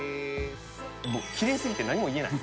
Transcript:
もうきれいすぎて何も言えない。